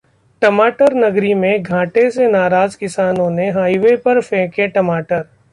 टमाटर नगरी में घाटे से नाराज किसानों ने हाइवे पर फेंके टमाटर